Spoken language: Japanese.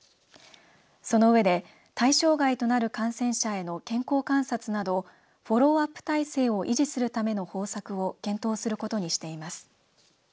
その上で対象外となる感染者への健康観察などフォローアップ体制を維持するための方策を検討することにしています。